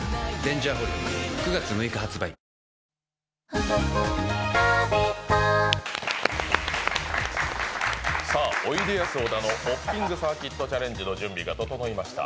続くおいでやす小田のホッピングサーキットチャレンジの準備が整いました。